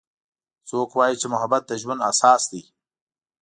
څوک وایي چې محبت د ژوند اساس ده